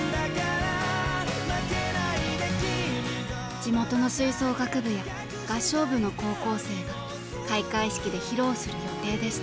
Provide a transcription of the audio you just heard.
地元の吹奏楽部や合唱部の高校生が開会式で披露する予定でした。